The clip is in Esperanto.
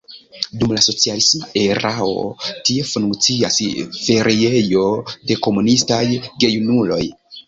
Dum la socialisma erao tie funkciis feriejo de "komunistaj" gejunuloj.